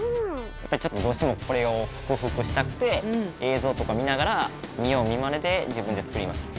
やっぱりちょっとどうしてもこれを克服したくて映像とか見ながら見よう見まねで自分で作りました。